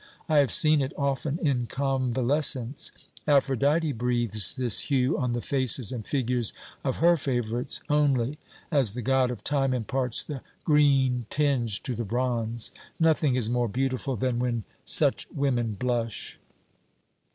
I have seen it often in convalescents. Aphrodite breathes this hue on the faces and figures of her favourites only, as the god of time imparts the green tinge to the bronze. Nothing is more beautiful than when such women blush."